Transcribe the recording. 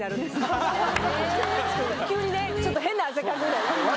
急にねちょっと変な汗かくの。